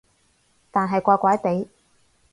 但係怪怪地